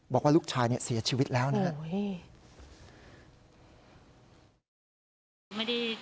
บอกว่าลูกชายเสียชีวิตแล้วนะครับ